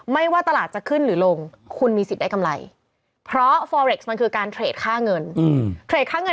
ไม่ว่าตลาดจะขึ้นหรือลง